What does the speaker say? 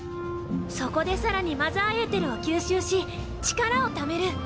そこでさらにマザーエーテルを吸収し力をためる。